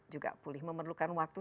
juga pulih memerlukan waktu